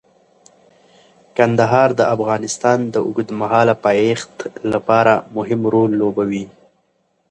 کندهار د افغانستان د اوږدمهاله پایښت لپاره مهم رول لوبوي.